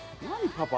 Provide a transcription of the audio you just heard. パパ。